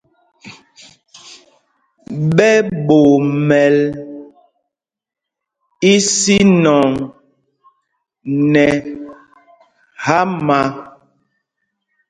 Ɓɛ ɓomɛl ísínɔŋ nɛ hámâ.